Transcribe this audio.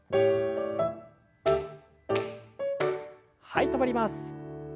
はい止まります。